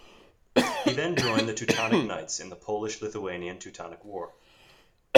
He then joined the Teutonic Knights in the Polish-Lithuanian-Teutonic War.